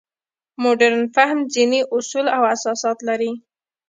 مډرن فهم ځینې اصول او اساسات لري.